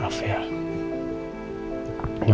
maaf ya udah gue tren aja di nunggu